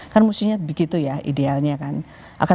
kan mestinya begitu ya idealnya kan